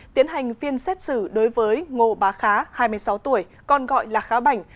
tiến hành phiên xét xử đối với ngô bá khá hai mươi sáu tuổi còn gọi là khá bảnh